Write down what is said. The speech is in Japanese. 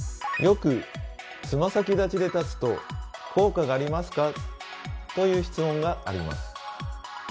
よくつま先立ちで立つと効果がありますか？という質問があります。